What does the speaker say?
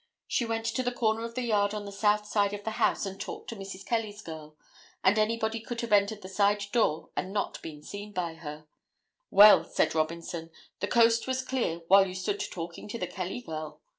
She went to the corner of the yard on the south side of the house and talked to Mrs. Kelly's girl, and anybody could have entered the side door and not be seen by her. "Well," said Robinson, "the coast was clear while you stood talking to the Kelly girl!"